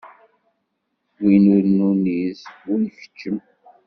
Win ur nuniz ur ikeččem.